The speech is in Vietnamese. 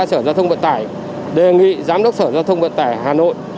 giám đốc sở giao thông vận tải đề nghị giám đốc sở giao thông vận tải hà nội